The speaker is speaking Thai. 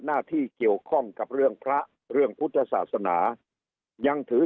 หน้าที่เกี่ยวข้องกับเรื่องพระเรื่องพุทธศาสนายังถือ